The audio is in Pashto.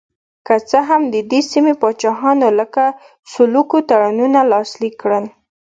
که څه هم د دې سیمې پاچاهانو لکه سلوکو تړونونه لاسلیک کړل.